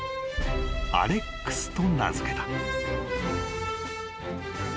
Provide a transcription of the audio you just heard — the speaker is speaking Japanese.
［アレックスと名付けた］